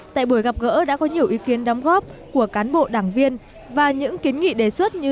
tại buổi gặp gỡ đã có nhiều ý kiến đóng góp của cán bộ đảng viên và những kiến nghị đề xuất như